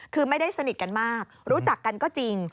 คือไม่ได้สนิทกันมากรู้จักกันก็จริง